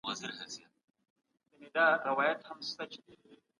پوليټيکس يوازې د سياسي نظام چارې څېړي.